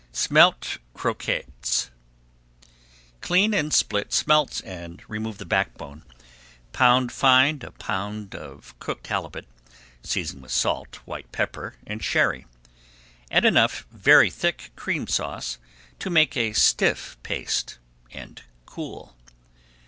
[Page 378] SMELT CROQUETTES Clean and split smelts and remove the backbone. Pound fine a pound of cooked halibut, seasoning with salt, white pepper, and Sherry. Add enough very thick Cream Sauce to make a stiff paste, and cool.